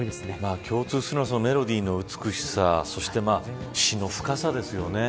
共通するのはメロディーの美しさと詞の深さです。